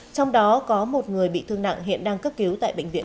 trong đó có một người bị thương nặng hiện đang cấp cứu tại bệnh viện